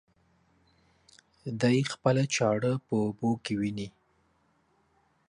دى خپله چاړه په اوبو کې ويني.